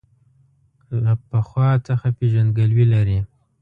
له پخوا څخه پېژندګلوي لري.